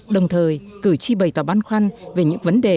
đồng thời cử tri bày tỏ băn khoăn về những vấn đề